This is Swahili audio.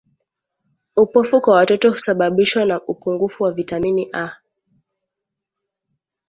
upofu kwa watoto husababibishwa na upungufu wa vitamini A